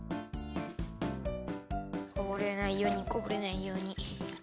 こぼれないようにこぼれないように。